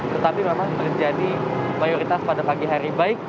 tetapi memang terjadi mayoritas pada pagi hari baik